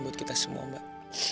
buat kita semua mbak